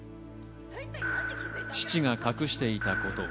父が隠していたこと。